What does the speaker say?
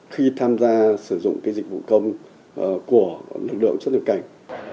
khi tham gia sử dụng dịch vụ công của lực lượng xuất nhập cảnh